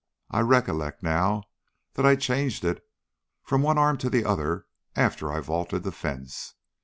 "I recollect now that I changed it from one arm to the other after I vaulted the fence.